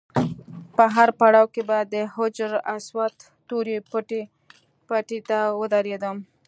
په هر پړاو کې به د حجر اسود تورې پټۍ ته ودرېدم.